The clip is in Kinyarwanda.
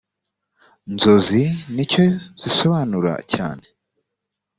nzozi n icyo zisobanura cyane